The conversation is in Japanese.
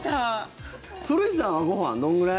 古市さんはご飯、どのぐらい？